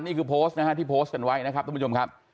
นี่คือโพสต์นะฮะที่โพสต์กันไว้นะครับทุกผู้ชมครับ